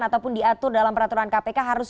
ataupun diatur dalam peraturan kpk harus